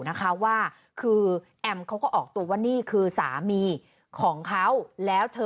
นะคะว่าคือแอมเขาก็ออกตัวว่านี่คือสามีของเขาแล้วเธอ